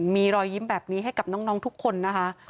มีรอยยิ้มแบบนี้ให้กับน้องทุกคนนะคะ